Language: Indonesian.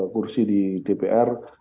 kursi di dpr